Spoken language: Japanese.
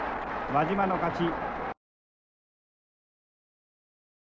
輪島の勝ち。